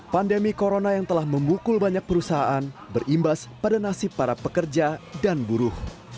pandemi corona yang telah memukul banyak perusahaan berimbas pada nasib para pekerja dan buruh